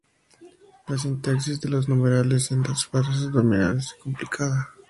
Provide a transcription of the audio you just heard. La sintaxis de los numerales en las frases nominales es complicada.